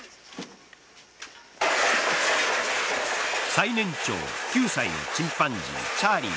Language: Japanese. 最年長、９歳のチンパンジーチャーリー。